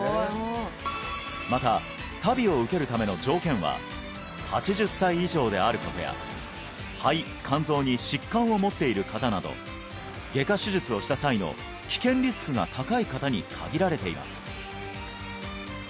またＴＡＶＩを受けるための条件は８０歳以上であることや肺肝臓に疾患を持っている方など外科手術をした際の危険リスクが高い方に限られています